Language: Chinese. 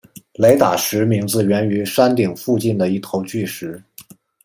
雷打石名字源于山顶附近的一头巨石。